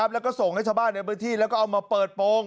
แล้วก็ส่งให้ชาวบ้านในพื้นที่แล้วก็เอามาเปิดโปรง